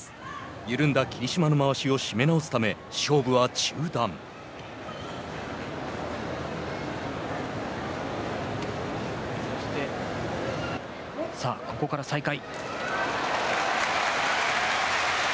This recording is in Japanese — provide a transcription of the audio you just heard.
緩んだ霧島のまわしを締め直すためさあ、ここから再開。